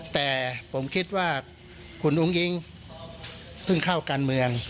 แต่ผมคิดว่าคุณอุ้งอิงเพิ่งเข้าการเมือง